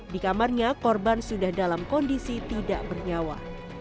di kamarnya korban sudah dalam kondisi tidak bernyawa